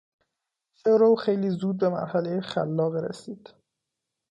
شعر او خیلی زود به مرحلهی خلاقه رسید.